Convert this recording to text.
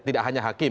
tidak hanya hakim